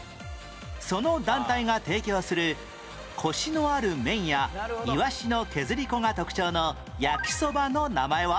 その団体が提供するコシのある麺やイワシの削り粉が特徴の焼きそばの名前は？